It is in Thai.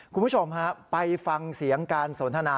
คุณผู้ชมฮะไปฟังเสียงการสนทนา